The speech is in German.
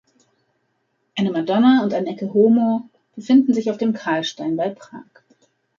Eine Madonna und ein Ecce homo befinden sich auf dem Karlstein bei Prag.